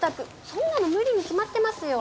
そんなの無理に決まってますよ。